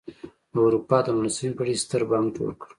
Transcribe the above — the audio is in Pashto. د اروپا د نولسمې پېړۍ ستر بانک جوړ کړ.